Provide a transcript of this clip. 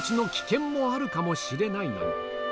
「あるかもしれないのに」